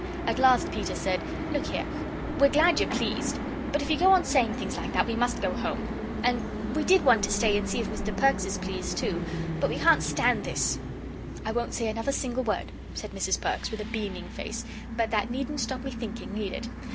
At last Peter said: "Look here, we're glad you're pleased. But if you go on saying things like that, we must go home. And we did want to stay and see if Mr. Perks is pleased, too. But we can't stand this." "I won't say another single word," said Mrs. Perks, with a beaming face, "but that needn't stop me thinking, need it?